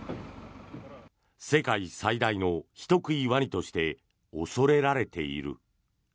世界最大の人食いワニとして恐れられている。